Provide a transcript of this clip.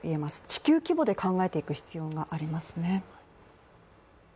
地球規模で考えていく必要がありますね。